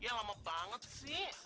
ya lama banget sih